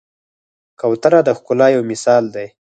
کوتره د ښکلا یو مثال دی.